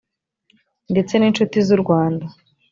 ndetse n inshuti z u rwanda